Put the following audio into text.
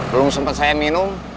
belum sempat saya minum